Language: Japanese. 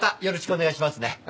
お願いします。